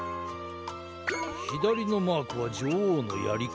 ひだりのマークはじょおうのやりか。